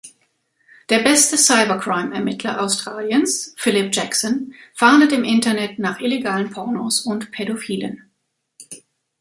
Der beste Cybercrime-Ermittler Australiens, Phillip Jackson, fahndet im Internet nach illegalen Pornos und Pädophilen.